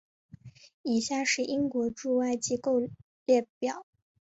以下是英国驻外机构列表。